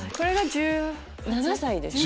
１７歳ですね。